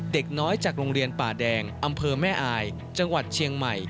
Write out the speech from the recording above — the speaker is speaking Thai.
เด็กน้อยจากโรงเรียนป่าแดงอำเภอแม่อายจังหวัดเชียงใหม่